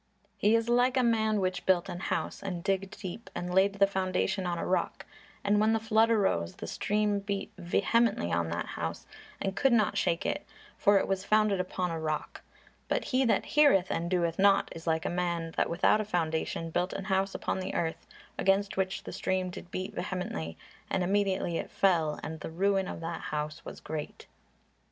He is like a man which built an house, and digged deep, and laid the foundation on a rock; and when the flood arose, the stream beat vehemently upon that house, and could not shake it; for it was founded upon a rock. But he that heareth, and doeth not, is like a man that without a foundation built an house upon the earth; against which the stream did beat vehemently, and immediately it fell; and the ruin of that house was great."